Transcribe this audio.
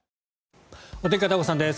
お天気、片岡さんです。